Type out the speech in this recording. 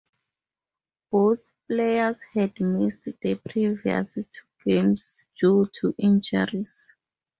Both players had missed the previous two games due to injuries.